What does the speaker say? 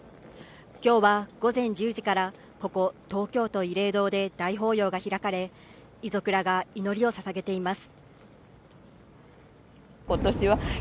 今日は午前１０時からここ東京都慰霊堂で大法要が開かれ遺族らが祈りをささげています